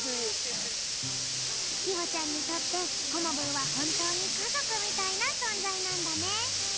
つきほちゃんにとってコモブーはほんとうにかぞくみたいなそんざいなんだね。